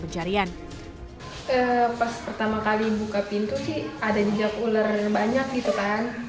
pas pertama kali buka pintu sih ada jejak ular banyak gitu kan